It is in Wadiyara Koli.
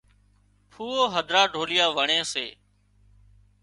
ڦوئو هڌرا ڍوليئا وڻي سي